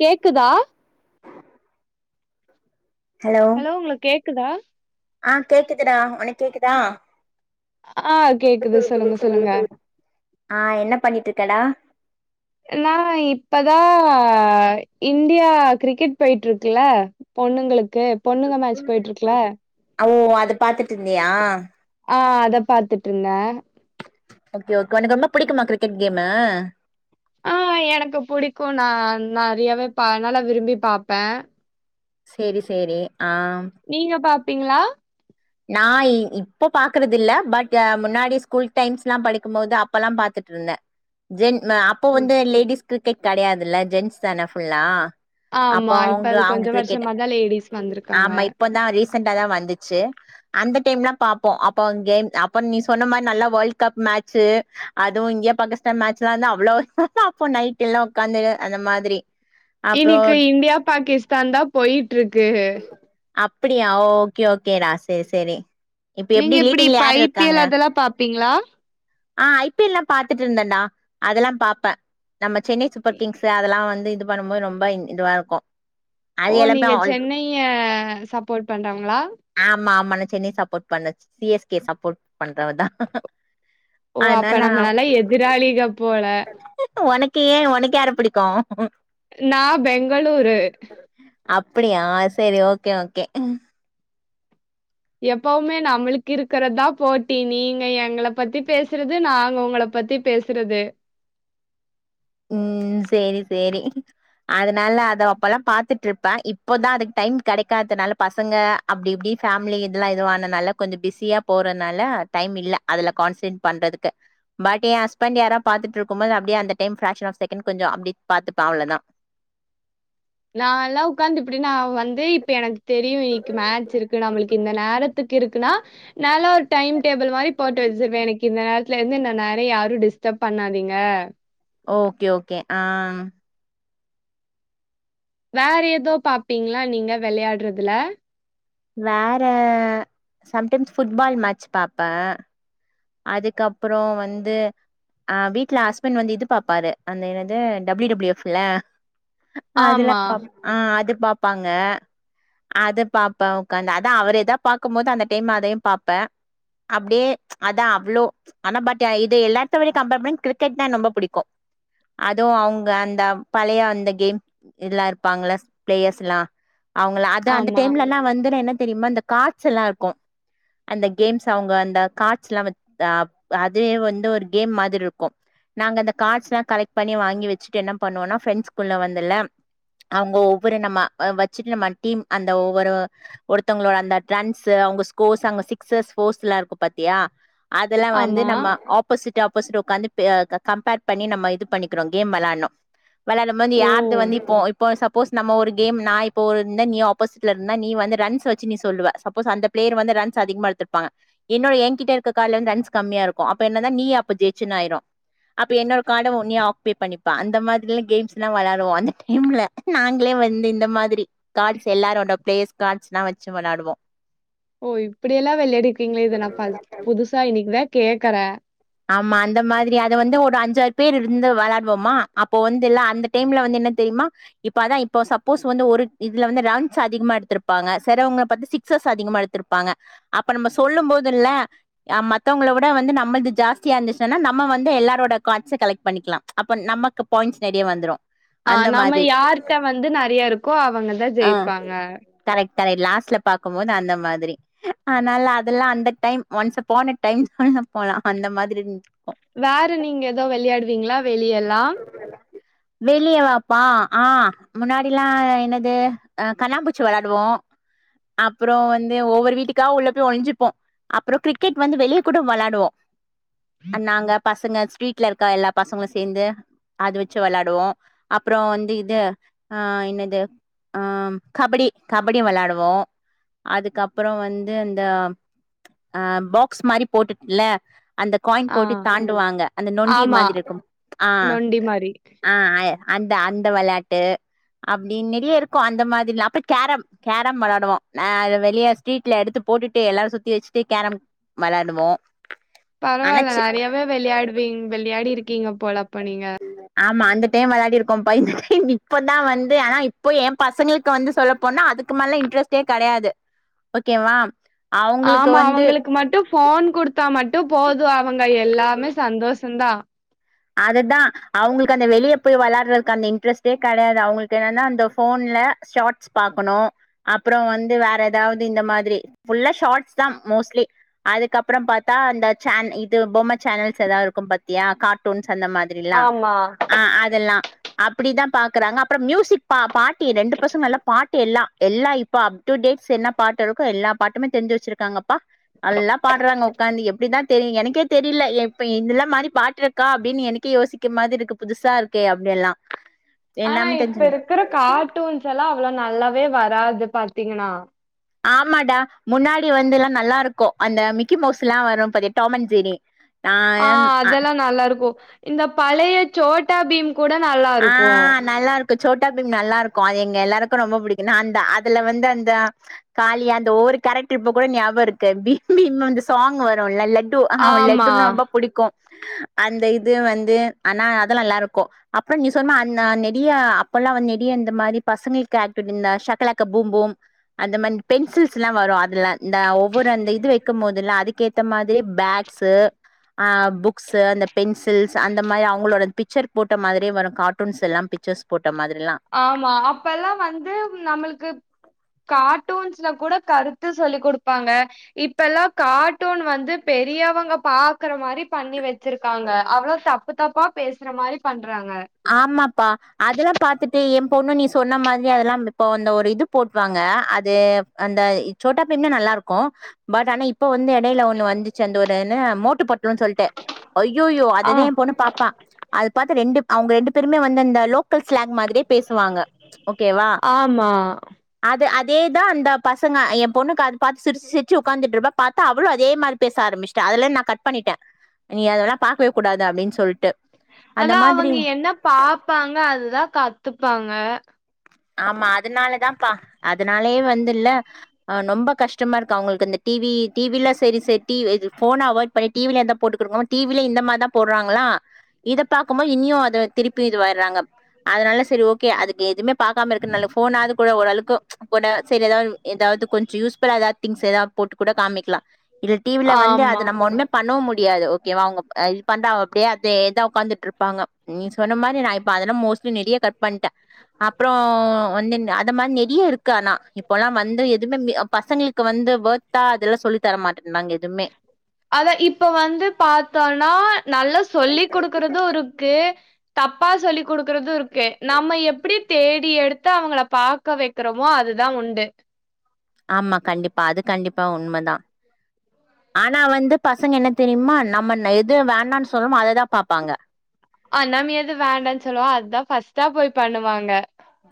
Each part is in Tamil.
கேக்குதா ஹலோ உங்ளுக் கேக்குதா ஆ கேக்குதுடா உனக் கேக்குதா ஆ கேக்குது சொலுங்க சொலுங்க ஆ என்ன பண்ணிட்டு இருக்கடா நா இப்பதா இந்தியா கிரிக்கெட் போயிட்டு இருக்குல பொண்ணுங்களுக்கு பொண்ணுங்க மேட்சு போயிட்டு இருக்கல ஓ அது பாத்துட்டு இருந்தியா ஆ அத பாத்துட்டு இருந்தே ஓகே ஓக உனக் ரொம்ப புடிக்குமா கிரிக்கெட் கேமு ஆ எனக்கு புடிக்கு நா நறயாவே ப நல்லா விரும்பி பாப்பே சேரி சேரி ஆ நீங்க பாப்பீங்களா நா இ இப்ப பாக்குறதுல்ல பட் முன்னாடி ஸ்கூல் டைம்ஸ்லா படிக்கும் போது அப்பலாம் பாத்துட்டுருந்தே ஜென் அப்போ ஓ. வந்து லேடிஸ் கிரிக்கெட் கடையாதுல்ல ஜென்ஸ் தான ஃபுல்லா அப்போ ஆமா இப்ப அவுங்க அது கொஞ்ச அவுங்கட்ட கேட்டே வருஷமாதா லேடிஸ் வந்திருக்காங்க ஆமா இப்பதா ரீசண்ட்டா தா வந்துச்சு அந்த டைம் எல்லாம் பாப்போம் அப்பங்கேம் அப்ப நீ சொன்ன மாதிரி நல்லா வேர்ல்ட் கப் மேட்சு அதுவு இந்தியா பாகிஸ்தான் மேட்ச்ல்லா இருந்தா அவ்வளோ அப்போ நைட் எல்லா உட்காந்துரு அந்த மாதிரி அப்றோ இன்னிக்கு இந்தியா பாகிஸ்தான் தா போயிட்டு இருக்கு அப்படியா ஓகே ஓகேடா சேரி சேரி இப்ப நீங்க எப்டி லீடிங்ல இப்ப யாரு ஐ பி இருக்காங்க எல் அதெல்லா பாப்பீங்களா ஆ ஐ பி எல் லா பாத்துட்டுருந்தேன்டா அதெல்லா பாப்பே நம்ம சென்னை சூப்பர் கிங்ஸ்சு அதெல்லா வந்து இது பண்ணும்போது ரொம்ப இதுவா இருக்கும் ஓ அது எல்லாமே நீங்க ஆல் சென்னைய சப்போர்ட் பண்றவங்களா ஆமா ஆமா நா சென்னை சப்போர்ட் பண்ண சி எஸ் கே சப்போர்ட் பண்றவதா ஓ அப்ப அதனால நம்ம நல்லா எதிராளிக போல உனக்கு ஏன் உனக்கு யார புடிக்கும் நா பெங்களூரு அப்டியா செரி ஓகே ஓகே எப்பவுமே நம்ளுக்கு இருக்கிறதா போட்டி நீங்க எங்கள பத்தி பேசுறது நாங்க உங்கள பத்தி பேசு சுறது ம் சேரி சேரி அதனால அத அப்பல்லா பாத்துட்டு இருப்பே இப்போதா அதுக்கு டைம் கிடைக்காதுனால பசங்க அப்டி இப்டி ஃபேமிலி இதெல்லா இதுவானதுனால கொஞ்சோ பிஸியா போறதுனால டைம் இல்ல அதுல கான்சன்ட்ரேட் பண்றதுக்கு பட் ஏ ஹஸ்பண்ட் யார பாத்துட்ருக்கும்போது அப்டியே அந்த டைம் ஃப்ரக்க்ஷன் ஆஃப் செகண்டு அப்டி பாத்துப்ப அவ்ளதா நால்லாம் உட்காந்து இப்டி நா வந்து இப்ப எனக்கு தெரியும் இன்னைக்கு மேட்ச் இருக்கு நம்மளுக்கு இந்த நேரத்து த்துக்கு இருக்குனா நால்லா ஒரு டைம் டேபிள் மாரி போட்டு வச்சிருவே எனக்கு இந்த நேரத்துல இருந்து இந்த நேரோ யாரு டிஸ்டப் பண்ணாதீங்க ஓகே ஓகே ஆ ம் வேற ஏதோ பாப்பீங்ளா நீங்க வெளையாடுறதுல வேற சம்டைம்ஸ் ஃபுட்பால் மேட்ச் பாப்பேன் அதுக்கப்பறோ வந்து ஆ வீட்ல அஸ்பண்ட் வந்து இது பாப்பாரு அந்த என்னது டபிள்யூ டபிள்யூ எஃப் அ அதுலா ஆமா, பாப் ஆ அது பாப்பாங்க அத பாப்பன் உக்காந்து அதான் அவர் எதாவது பார்க்கும் போது அந்த டைம் அதையு பார்ப்பன் அப்டே அதான் அவ்ளோ ஆனா பட் இது எல்லாத்தவிட கம்பேர் பண்ணா கிரிக்கெட் தான் எனக்கு ரொம்ப புடிக்கும். அதுவும் அவுங்க அந்த பழய அந்த கேம் எல்லாம் இருப்பாங்கள பிளேயர்ஸ்ல்லாம் அவங்கள அது அந்த ஆமா, டைம்லல்லாம் வந்து என்ன தெரியுமா கார்ட்ஸ் எல்லா இருக்கு அந்த கேம்ஸ் அவுங்க அந்த காட் ட்ஸ்லா வச் அதே வந்து ஒரு கேம் மாதிரி இருக்கோ நாங்க அந்த கார்ட்ஸ்லா கலெக்ட் பண்ணி வாங்கி வச்சுட்டு என்ன பண்ணுவோம்னா ஃப்ரெண்ட்ஸ்குல்ல வந்துல அவுங்க ஒவ்வொரு நம்ம அ வச்சிட்டு நம்ம டீம் அந்த ஒவ்வொரு ஒருத்தங்களோட அந்த ட்டரன்ஸ் அவுங்க ஸ்கோர்ஸ் அங்க சிக்ஸஸ் போர்ஸ்லா இருக்கு பாத்தியா அதெல்லாம் வந்து ஆமா. நம்ம ஆப் போசிட் ஆப்போசிட் உக்காந்து கம்பேர் பண்ணி நம்ம இது பண்ணிக்கிறோம் கேம் விளாடணும் வெளாடும் போது வந்து ஓ! யாருது வந்து இப்போ இப்போ சப்போஸ் நம்ம ஒரு கேம் நான் இப்போ இருந்த நீ ஆப்போசிட்ல இருந்தா நீ வந்து ரன்ஸ் வச்சு நீ சொல்லுவ சப்போஸ் அந்த பிளேயர் வந்து ரன்ஸ் அதிகமா எடுத்ருப்பாங்க என்னோட ஏங்கிட்ட க்கு காலந்த் ரன்ஸ் கம்மியாருக்கு அப்ப என்னதா நீ அப்ப ஜெயிச்சன் ஆயிரூ அப்ப என்னோட கார்டை நீ ஆக்குபை பண்ணிப்பா அந்த மாதிரிலாம் கேம்ஸ் எல்லாம் விளாடுவோம் அந்த டைம்ல நாங்களே வந்து இந்த மாதிரி கார்ட்ஸ் எல்லாரோட பிளேஸ் கார்ட்ஸ்ல்லாம் வச்சு வெளாடுவோம் ஓ இப்டியெல்லாம் வெளையாடிரு க்கீங்களா இதை ஃபஸ் நான் புதுசா இன்னக்குதான் கேக்கற ஆமா அந்த மாதிரி அதை வந்து ஒரு அஞ்சாறு பேர் இருந்து விளையாடுவோமா அப்போ வந்து இல்ல அந்த டைம்ல வந்து என்ன தெரியுமா இப்ப அதா இப்போ சப்போஸ் வந்து ஒரு இதுல வந்து ரான்ஸ் அதிகமா எடுத்துருப்பாங்க செலவங்க பத்து சிக்ஸ்ஸஸ் அதிகமா எடுத் திருப்பாங்க அப்ப நம்ம சொல்லும் போதுல்ல ய மத்தவ்ங்கள விட வந்து நம்மள்து ஜாஸ் தியா இருந்துச்சுன்னா நம்ம வந்து எல்லாரோட கார்ட்ச கலெக்ட் பண்ணிக்கலாம் அப்ப நமக்கு பாயிண்ட் நறைய வந்துரும் ஆ நம்ம யார்ட்ட வந்து நறையாருக்கோ அவங்கதா ஆ ஜெயிப்பாங்க கரெக்ட் கரெக்ட் லாஸ்ட்ல பாக்கும்போது அந்த மாதிரி அதனால அதெல்லா அந்த டைம் ஒன்ஸ் அப்பான அ டைம் போலா அந்த மாதிரி இருந்துருக்கோ வேற நீங்க எதோ வெளையாடுவீங்ளா வெளியெல்லா வெளியே வாப்பா ஆ முன்னாடில்லாம் என்னது கண்ணாம்பூச்சி வேலாடுவோம் அப்பறோ வந்து ஒவ்வொரு வீட்டுக்கா உள்ள போய் ஒழிஞ்சுப்போ அப்றோ கிரிக்கெட் வந்து வெளியக்கூட வெளாடுவோ நாங்க பசங்க ஸ்ட்ரீட்ல இருக்கா எல்லா பசங்களும் சேர்ந்து அது வச்சு வேலாடுவோம் அப்புறம் வந்து இது ஆ இன்னது ஆம் கபடி கபடி வெளாடுவோ அதுக்கப்புறோ வந்து அந்த ஆ பாக்ஸ் மாரி போட்டுட்டுல்ல அந்த காயின் ஆ, போட்டு தாண்டுவாங்க அந்த நொண்டி மாதிரி இருக்கும் ஆ டீம்மாறி ஆ அய் அந்த அந்த வெளாட்டு அப்டின் நெறையா இருக்கு அந்த மாதிரிலா அப்ப கேரம் கேரம் வெளாடுவோ நா அத வெளியே ஸ்ட்ரீட்ல எடுத்து போட்டுட்டு எல்லாரு சுத்தி வச்சிட்டு கேரம் வெளாடுவோ பரவால்ல அனச்சு நெறையாவே வெளையாடுவிங் வெளையாடி இருக்கிங்க போல அப்ப நீங்க ஆமா அந்த டைம் விளையாடி இருக்கோம் பை இன் இப்பதா வந்து ஆனா இப்போ என் பசங்களுக்கு வந்து சொல்லப்போனா அது க்கு மேல இன்ட்ரெஸ்ட்டே கெடையாது ஓகேவா அவங்களுக்கு ஆமா வந்து அவங்களுக்கு மட்டு ஃபோன் குடுத்தா மட்டும் போது அவங்க எல்லாமே சந்தோஷம்தா அது தா அவுங்களுக்கு அந்த வெளிய போய் வெளாட்றதுக்கு அந்த இன்ட்ரெஸ்டே கெடையாது அவங்களுக்கு என்னனா அந்த ஃபோன்ல ஷார்ட்ஸ் பாக்கனு அப்புறோ வந்து வேற ஏதாவது இந்த மாதிரி ஃபுல்லா ஷார்ட்ஸ் தா மோஸ்ட்லி அதுக்கப்றோ பாத்தா அந்த சேன் இது பொம்ம சேனல்ஸ் எதாது இருக்கும் பாத்தியா காட் டூன்ஸ் அந்த மாதிரிலா ஆமா. ஆ அதெல்லா அப்டிதா பாக்குறாங்க அப்றோ மியூசிக் பா பாட்டி ரெண்டு பசங்க நல்லா பாட்டு எல்லா எல்லாய் இப்ப அப் டு டேட்ஸ் என்ன பாட்டு இருக்கோ எல்லா பாட்டுமே தெரிஞ்சி வச்சிருக்காங்கப்பா நல்லா பாடுறாங்க உக்காந்து எப்டிதா தெரியு எனக்கே தெரில எப்ப இல்லா மாறி பாட்டு கா அப்டின்னு எனக்கே யோசிக்க மாதிருக்கு புதுசா இருக்கே அப்டியெல்லா ஆனா இப்ப இருக்கிற கார்ட்டூன்ஸ் எல்லா அவ்ளோ நல்லாவே வராது பாத்தீங்கன்னா ஆமாடா முன்னாடி வந்துல்லா நல்லா இருக்கு அந்த மிக்கி மவுஸுல்லா வரு பாத்யா டாம் அண்ட் ஜெர்ரீ ஆ அதெல்லா நல்லா இருக்கு இந்த பழைய சோட்டா பீம் கூட நல்லா இருக்கும் கு சோட்டா பீம் நல்லா இருக்கு அது எங்க எல்லாருக்கு ரொம்ப பிடிக்கு நாந்த அதுல வந்து அந்த காலியா அந்த ஒவ்வொரு கேரக்ட்ரு இப்ப கூட ஞாபகருக்கு பீம் பீம் அந்த சாங் வருல்ல லட்டு ஹ அவன் ஆமா லட்டுன்னா ரொம்ப புடிக்கும் அந்த இது வந்து ஆனா அது நல்லா இருக்கு அப்றோ நீ சொன்னமா அந் நெடியா அப்பல்லா வந் நெடியா இந்த மாரி பசங்களுக்கு ஆக்டிவிட் இந்த ஷக்கலக்க பூம்பூம் அந்த மந்த் பென்சில்ஸ்லா வரூ அதுல இந்த ஒவ்வொரு அந்த இது வைக்கும் போதுல்லா அதுக்கேத் இந்த மாதிரி பேட்ஸூ ஆ புக்ஸு அந்த பென்சில்ஸ் அந்த மாதிரி அவங்களோட பிக்சர் போட் போட்ட மாதிரி வரும் கார்ட்டூன்ஸ் எல்லா பிக்சர்ஸ் போட்ட மாதிரில்லா ஆமா அப்பெல்லா வந்து நம்மளுக்கு கார்ட்டூன்ஸ்ல கூட கருத்து சொல்லி குடுப்பாங்க இப்ப எல்லா கார்ட்டூன் வந்து பெரியவங்க பாக்குற மாதிரி பண்ணி வச்சிருக்காங்க அவ்ளோ தா தப்பு தப்பா பேசுற மாதிரி பண்றாங்க ஆமாப்பா அதுல்லா பாத்துட்டு ஏ பொண்ணு நீ சொன்ன மாதிரி அதெல்லாம் இப்ப அந்த ஒரு இது போட்டுவாங்க அது அந்த சோட்டா பீம்ன்னா நல்லா இருக்கு பட் ஆனா இப்ப வந்து எடையில ஒண்ணு வந்துச்சு அந்த ஒரு என்ன மோட்டு பட்லூன் சொல்லிட்டு ஐயோயோ ஆ அததா ஏ பொண்ணு பாப்பா அத பாத்து ரெண்டு அவுங்க ரெண்டு பேருமே வந்தந்த லோக்கல் ஸ்லாங் மாதிரி பேசுவாங்க ஓகேவா ஆமா அது அதேதா அந்த பசங்க ஏ பொண்ணுக்கு அத பாத்து சிரிச்சி சிரிச்சி உட்காந்துட்ருப்பா பாத்தா அவளு அதே மாரி பேச ஆரம்பிச்சிட்டா அதுல இ நா கட் பண்ணிட்டே நீ அதெல்லா பாக்கவே கூடாது அப்டின்னு சொல்லிட்டு அதா அவுங்க என்ன பாப்பாங்க அதுதா கத்துப்பாங்க ஆமா அதுனாலதா பா அதுனாலேயே வந்துல ஆ நொம்ப கஷ்டமா இருக்கு அவுங்களுக்கு அந்த டிவி டிவி ல்லா சரி ச டி இது ஃபோன அவாய்ட் பழைய டிவில எத போட்டுக் குடுக்கணு டிவில இந்த மாரி தா போடுறாங்களா இத பாக்கும்போது இனியு அதை திருப்பி இதுவாயிறாங்க அதனால சரி ஓகே அதுக்கு எதுமே பாக்காம இருக்கனால ஃபோனாது கூட ஓரளக்கு போட சேரி எதால்ம் எதாவது கொஞ்சொ யூஸ்ஃபுல்லா எதாவது திங்ஸ் எதாது போட்டு கூட காமிக்கலா ல் டிவில வந்து அது ஆமா நம் ம ஒண்ணுமே பண்ணவு முடியாது ஓகே வா அவுங்க இ பண்றா அப்டியே அதேதா ஒக்காந்துட்டு இருப்பாங்க நீ சொன்ன மாரி நா இப்ப அதலா மோஸ்ட்லி நெறய கட் பண்ட்ட அப்றோ வந்துன்னு அந்த மார் நெறிய இருக்கு ஆனா இப்போலா வந்து எதுமே மி அப் பசங்ளுக்கு வந்து வொர்த்தா அதெல்லா சொல்லி தர மாட்டன்றாங்க எதுமே அத இப்ப வந்து பாத்தோன்னா நல்லா சொல்லி் குடுக்கறது இருக்கு தப்பா சொல்லி் குடுக்கறது இருக்கு நம்ம எப்பிடி தேடி எடுத்து அவங்கள பாக் க வெக்கறமோ அதுதா உண்டு ஆமா கண்டிப்பா அது கண்டிப்பா உண்ம தா ஆனா வந்து பசங்க என்ன தெரிய்மா நம்மென்ன எது வேணான் சொல்றமோ அத தா பாப்பாங்க ஆ நம் எது வேண்டான் சொல்லுவோ அதா ஃபஸ்ட்டா போய் பண்ணுவாங்க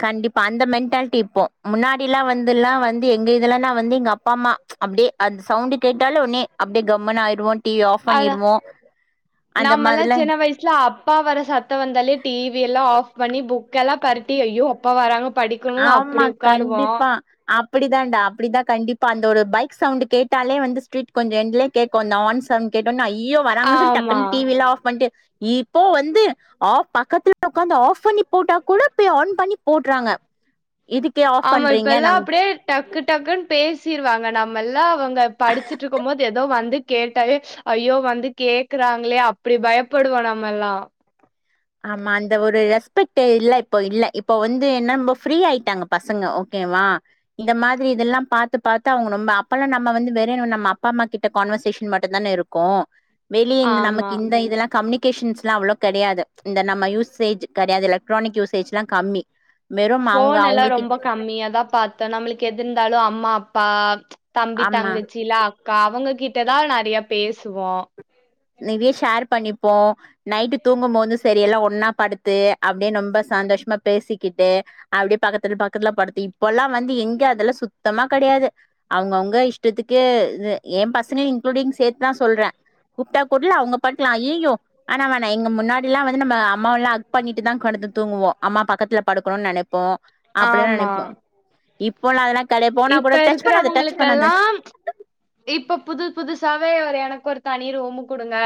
கண்டிப்பா அந்த மென்ட்டால்ட்டி இப்போ முன்னாடில்லா வந்துல்லா வந்து எங்க இதுல நா வந்து எங்க அப்பா அம்மா அப்டே அந்த சவுண்டு் கேட்டாலே உட்னே அப்டே கம்முனு ஆய்டுவோ டி வி ஆஃப் அதான் பண்ணீடுவோ அந்த மாதிரிலா ட்ல அப்பா வர சத்தோ வந்தாலே டி வி எல்லா ஆஃப் பண்ணி புக் எல்லா பெரட்டி ஐயோ அப்பா வராங்க படிக்கணுன் அப்பிடி உக்காருவோ அப்பிடிதான்டா அப்பிடிதா கண்டிப்பா அந்த ஒரு பைக் சவுண்டு கேட்டாலே வந்து ஸ்ட்ரீட் கொஞ்ச எண்ட்லே கேக்கு அந்த ஆன் சவுண்டு கேட்டோன்னே ஐயோ வராங்கன் சொல்லி டக்குன் ஆமா. டி வி எல்லா ஆஃப் பண்ட்டு இப்போ வந்து ஆஃப் பக்கத்துல உக்காந்து ஆஃப் பண்ணி போட்டா கூட போய் ஆன் பண்ணி போட்றாங்க இதுக்கே ஆஃப் ஆமா பண்றீங்க இப்பெல்லா நாங்க அப்டியே டக்கு டக்குன் பேசிருவாங்க நம்மெல்லா அவங்க படிச்சிட்ருக்கும் போது எதோ வந்து கேட்டாவே ஐயோ வந்து கேக்கறாங்ளே அப்பிடி பயப்படுவோ நம்மெல்லா ஆமா அந்த ஒரு ரெஸ்பெக்ட்டு இல்ல இப்போ இல்ல இப்போ வந்து எ நொம்ப ஃப்ரீ ஆய்ட்டாங்க பசங்க ஓகேவா இந்த மாதிரி இதெல்லா பாத்து பாத்து அவுங்க நொம்ப அப்பெல்லா நம்ம வந்து வேறேனு நம்ம அப்பா அம்மா கிட்ட கான்வர்சேஷன் மட்டுந்தான இருக் கு வெளிய இந்த ஆமா நமக் இந்த இதெல்லா கம்னிகேஷன்ஸ்லா அவ்ளோ கெடையாது இந்த நம்ம யூசேஜ் கெடையாது எலக்ட்ரானிக் யூசேஜ்லா கம்மி வெறும் அவங்க ஃபோன் எல்லா அவங்க ரொம்ப கிட் கம்மியாதா பாத் தோ நம்மளுக் எது இர்ந்தாலு அம்மா, அப்பா, தம்பி ஆமா தங்கச்சிலா அக் கா அவங்க கிட்ட தா நெறைய பேசுவோ நெற்ய ஷேர் பண்ணிப்போ நைட்டு தூங்கம்மோது செரி எல்லா ஒன்னா படுத்து அப்டே நொம்ப சந்தோஷ்மா பேசிக்கிட்டு அப்டியே பக்கத்துல் பக்கத்துல படுத்து இப்பெல்லா வந்து எங்க அதெல்லா சுத்தமா கெடயாது அவுங்கவுங்க இஷ்டத்துக்கு து ஏ பசங்க இன்க்ளூடிங் சேத் தா சொல்றே கூப்ட்டா கூட்லா அவுங்க பாட்லா அய்யய்யோ வேணா வேணா எங்க முன்னாடில்லா வந்து அம்மாவெல்லா அக் பண்ணிட்டு தா கடந்து தூங்குவா அம்மா பக்கத்துல படுக்கணுன் நெனைப்போ அப்டிலா ஆமா நெனைப்போ இப்போல்லா அதல்லா கெடயா போனா இப்ப கூட டச் பண்ணாத டச் பண்ணாத இருக்கிறவங்களுக்கெல்லா இப்ப புது புதுசாவே ஒரு எனக்கொரு தனி ரூமு குடுங்க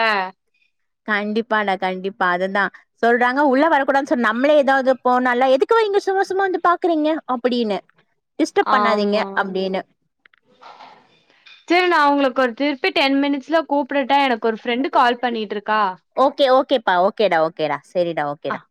கண்டிப்பாடா கண்டிப்பா அதுதா சொல்றாங்க உள்ள வரக்குடாதுன் சொன்னா நம்மளே எதாவ்து போனாலோ எதுக்கும்மா நீங்க சும்மா சும்மா வந்து பாக்கறீங்க அப்படீனு ஆமா சேரி நா உங்களுக்கு திருப்பி டென் மினிட்ஸ்ல கூப்டட்டா எனக் கொரு ஃப்ரெண்டு் கால் பண்ணீட்ருக்கா ஓகே ஓகேப்பா ஓகேடா ஓகேடா செரிடா ஓகேடா